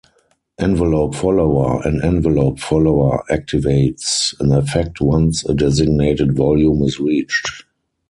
Envelope follower: An envelope follower activates an effect once a designated volume is reached.